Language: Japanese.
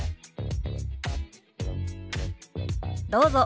どうぞ。